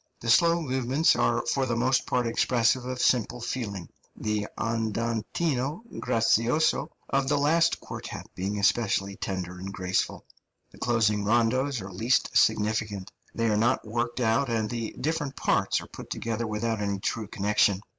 The slow movements are for the most part expressive of simple feeling, the andantino grazioso of the last quartet being especially tender and graceful. The closing rondos are least significant; they are not worked out, and the different parts are put together without any true connection.